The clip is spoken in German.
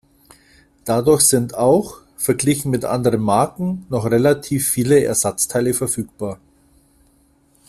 Dadurch sind auch, verglichen mit anderen Marken, noch relativ viele Ersatzteile verfügbar.